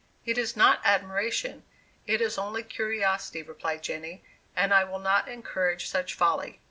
"It is not admiration it is only curiosity," replied Jenny, "and I will not encourage such folly."